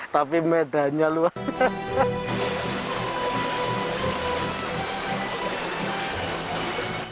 tapi medahnya luar biasa